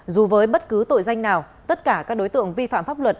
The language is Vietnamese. dù với bất cứ tội danh nào tất cả các đối tượng vi phạm pháp luật